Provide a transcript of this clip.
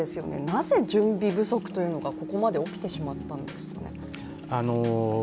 なぜ準備不足というのがここまで起きてしまったんでしょうか。